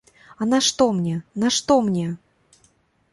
А нашто мне, нашто мне?